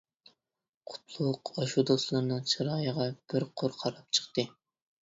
قۇتلۇق ئاشۇ دوستلىرىنىڭ چىرايىغا بىر قۇر قاراپ چىقتى.